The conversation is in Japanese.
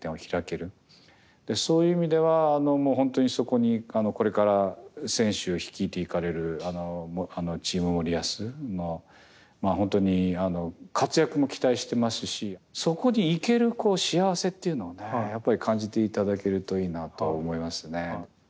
そういう意味では本当にそこにこれから選手を率いていかれるチーム森保の本当に活躍も期待してますしそこに行ける幸せっていうのをねやっぱり感じていただけるといいなと思いますね。